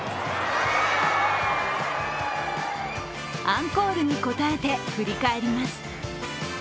アンコールに応えて振り返ります。